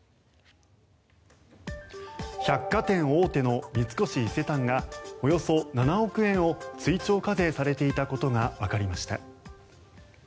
百貨店大手の三越伊勢丹がおよそ７億円を追徴課税されていたことがわかりました。